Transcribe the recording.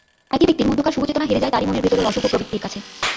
একই ব্যক্তির মধ্যকার শুভচেতনা হেরে যায় তারই মনের ভেতরের অশুভ প্রবৃত্তির কাছে।